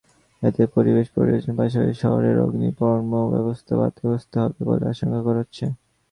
এতে পরিবেশ বিপর্যয়ের পাশাপাশি শহরের অগ্নিনির্বাপণ-ব্যবস্থা বাধাগ্রস্ত হবে বলে আশঙ্কা করা হচ্ছে।